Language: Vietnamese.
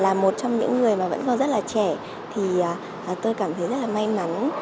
là một trong những người mà vẫn còn rất là trẻ thì tôi cảm thấy rất là may mắn